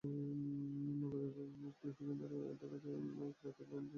নগরের বিভিন্ন বিপণিকেন্দ্র ঘুরে দেখা যায়, ক্রেতারা ব্র্যান্ডের চেয়ে নকশাকে বেশি গুরুত্ব দিচ্ছেন।